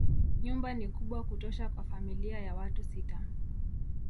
Nyumba ni kubwa kutosha kwa familia ya watu sita.